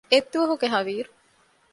އެއްދުވަހުގެ ހަވީރު